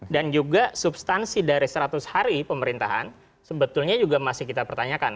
dan juga substansi dari seratus hari pemerintahan sebetulnya juga masih kita pertanyakan